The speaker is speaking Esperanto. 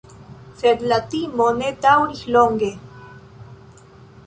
Sed la timo ne daŭris longe.